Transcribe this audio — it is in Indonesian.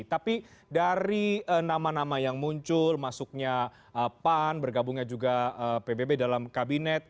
tapi dari nama nama yang muncul masuknya pan bergabungnya juga pbb dalam kabinet